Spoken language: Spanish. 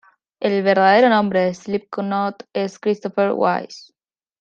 El verdadero nombre de Slipknot es Christopher Weiss.